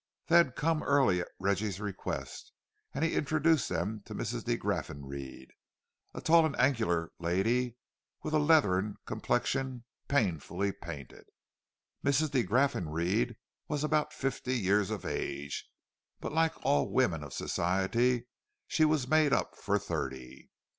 They had come early at Reggie's request, and he introduced them to Mrs. de Graffenried, a tall and angular lady with a leathern complexion painfully painted; Mrs. de Graffenried was about fifty years of age, but like all the women of Society she was made up for thirty.